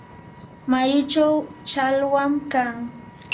mayuchaw challwam kan.